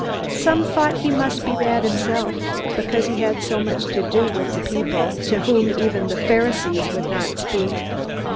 Some thought he must be bad himself because he had so much to do with people to whom the Pharisees would not even speak.